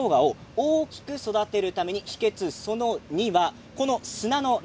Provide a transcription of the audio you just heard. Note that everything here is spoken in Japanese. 大きく育てるための秘けつ、その２です。